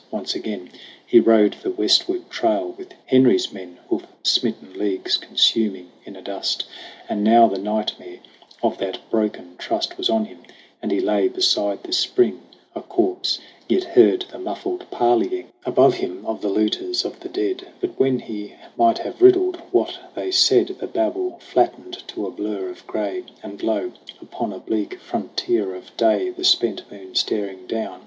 Once again He rode the westward trail with Henry's men Hoof smitten leagues consuming in a dust. And now the nightmare of that broken trust Was on him, and he lay beside the spring, A corpse, yet heard the muffled parleying 72 SONG OF HUGH GLASS Above him of the looters of the dead : But when he might have riddled what they said, The babble flattened to a blur of gray And lo, upon a bleak frontier of day, The spent moon staring down